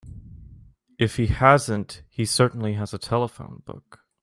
If he hasn't he certainly has a telephone book.